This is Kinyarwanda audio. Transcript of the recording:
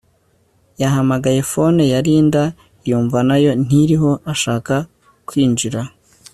yahamagaye phone ya Linda yumva nayo ntiriho ashaka kwinjira